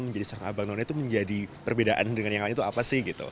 menjadi sang abang none itu menjadi perbedaan dengan yang lain itu apa sih gitu